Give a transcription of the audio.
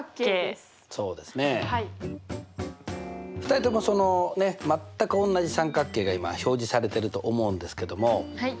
２人とも全くおんなじ三角形が今表示されてると思うんですけども。